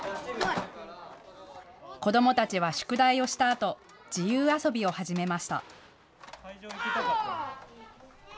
子どもたちは宿題をしたあと自由遊びを始めました。